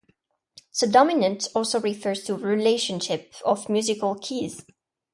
"Subdominant" also refers to a relationship of musical keys.